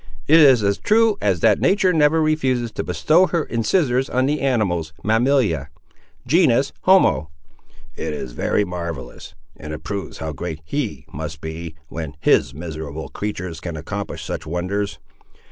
"It is as true as that nature never refuses to bestow her incisores on the animals, mammalia; genus, homo—" "It is very marvellous! and it proves how great He must be, when His miserable creatur's can accomplish such wonders!